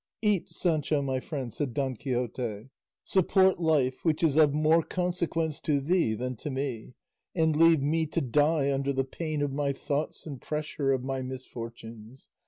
"Eat, Sancho my friend," said Don Quixote; "support life, which is of more consequence to thee than to me, and leave me to die under the pain of my thoughts and pressure of my misfortunes.